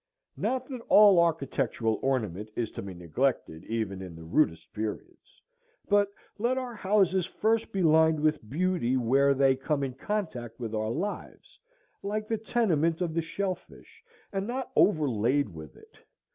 Not that all architectural ornament is to be neglected even in the rudest periods; but let our houses first be lined with beauty, where they come in contact with our lives, like the tenement of the shellfish, and not overlaid with it.